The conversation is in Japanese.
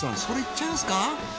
それいっちゃいますか？